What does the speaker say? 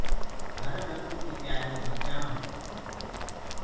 هررنگو ڪي پيآليو مين چآنه هوندي